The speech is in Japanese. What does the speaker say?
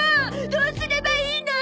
どうすればいいの！